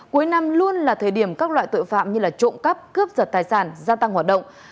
cuối năm luôn là thời điểm các loại tội phạm như trộm cắp cướp giật tài sản gia tăng hoạt động